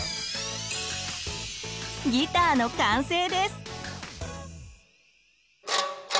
ギターの完成です。